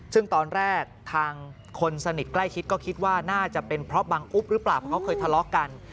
ซึ่งตอนแรกทางคนสนิทใกล้ชิดก็คิดว่าน่าจะเป็นเพราะบังอุ๊บหรือเปล่าเพราะเขาเคยทะเลาะกัน